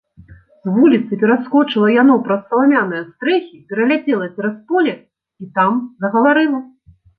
З вуліцы пераскочыла яно праз саламяныя стрэхі, пераляцела цераз поле і там загаварыла.